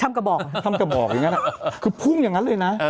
กระบอกทำกระบอกอย่างนั้นคือพุ่งอย่างนั้นเลยนะ